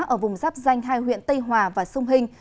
ở vùng rắp xanh hai huyện tây hòa và xuân hình